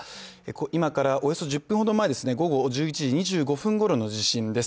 今からおよそ１０分ほど前、午後１１時２１分ほどの地震です。